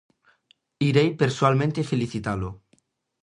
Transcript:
Irei persoalmente felicitalo.